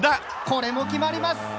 これも決まります。